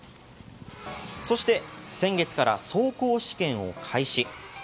そして先月から走行試験を開始。